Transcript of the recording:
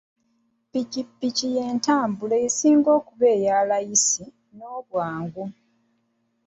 Ppikipiki y'entambula esinga okuba eya layisi n'obwangu.